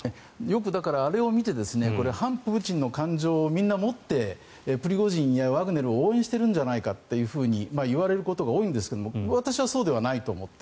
よく、だから、あれを見て反プーチンの感情をみんな持ってプリゴジンやワグネルを応援してるんじゃないかって言われることが多いんですが私はそうではないと思って。